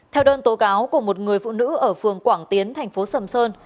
theo đơn tố cáo của một người phụ nữ ở phường quảng tiến thành phố sầm sơn